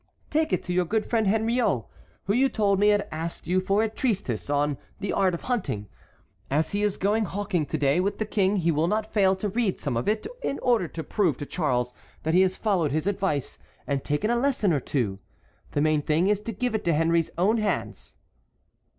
"Take it to your good friend Henriot, who you told me had asked you for a treatise on the art of hunting. As he is going hawking to day with the King he will not fail to read some of it, in order to prove to Charles that he has followed his advice and taken a lesson or two. The main thing is to give it into Henry's own hands."